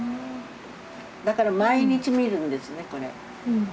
だから毎日見るんですねこれ。